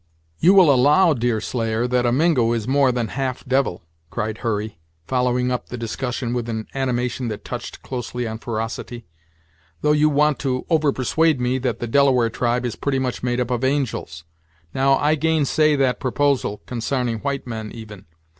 "You will allow, Deerslayer, that a Mingo is more than half devil," cried Hurry, following up the discussion with an animation that touched closely on ferocity, "though you want to over persuade me that the Delaware tribe is pretty much made up of angels. Now, I gainsay that proposal, consarning white men, even.